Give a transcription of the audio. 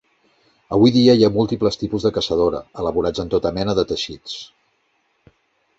Avui dia hi ha múltiples tipus de caçadora, elaborats en tota mena de teixits.